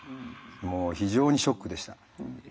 もう非常にショックでした。